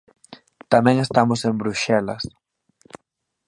Tamén estamos en Bruxelas.